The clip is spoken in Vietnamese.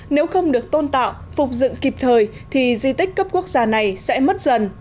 nếu không được tôn tạo phục dựng kịp thời thì di tích cấp quốc gia này sẽ mất dần